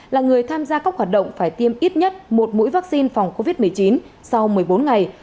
là người tham gia các hoạt động phải tiêm ít nhất một mũi vaccine phòng covid một mươi chín sau một mươi bốn ngày